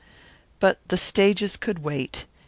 But the stages could wait.